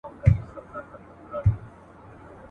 د علاج پیسې مي راکړه رخصتېږم !.